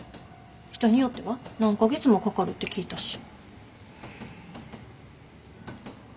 人によっては何か月もかかるって聞いたし。